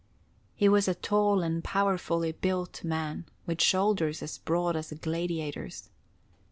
He was a tall and powerfully built man, with shoulders as broad as a gladiator's.